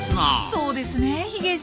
そうですねえヒゲじい。